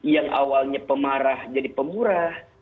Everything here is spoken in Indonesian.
yang awalnya pemarah jadi pemurah